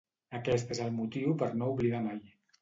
Aquest és el motiu per no oblidar mai.